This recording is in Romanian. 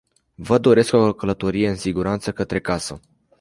Vă doresc o călătorie în siguranță către casă.